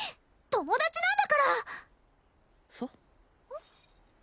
友達なんだからそううん？